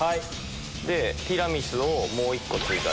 で、ティラミスをもう１個追加で。